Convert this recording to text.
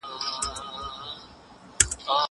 زه هره ورځ کتاب وليکم!!!!